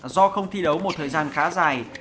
do không thi đấu một thời gian khá dài